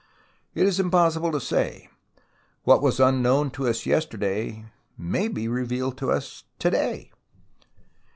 It is impossible to say. What was unknown to us yesterday may be revealed to us to day.